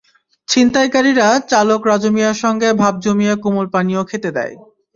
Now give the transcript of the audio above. ছিনতাইকারীরা চালক রাজু মিয়ার সঙ্গে ভাব জমিয়ে কোমল পানীয় খেতে দেয়।